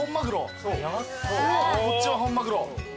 こっちは本マグロ。